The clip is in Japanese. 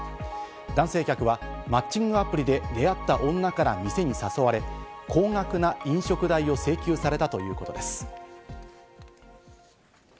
男性客はマッチングアプリで出会った女から店に誘われ、高額な飲食代を請求されたということです。